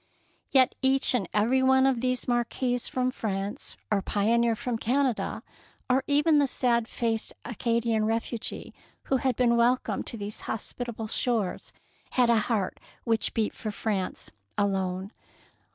Yet each and every one of these, marquis from France or pioneer from Canada, or even the sad faced Acadian refugee who had been welcomed to these hospitable shores, had a heart which beat for France alone.